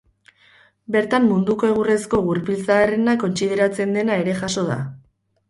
Bertan munduko egurrezko gurpil zaharrena kontsideratzen dena ere jaso da.